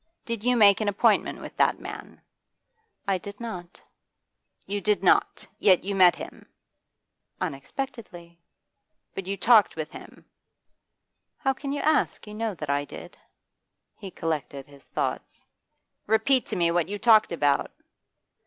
'Did you make an appointment with that man?' 'I did not.' 'You did not? Yet you met him?' 'Unexpectedly.' 'But you talked with him?' 'How can you ask? You know that I did.' He collected his thoughts. 'Repeat to me what you talked about.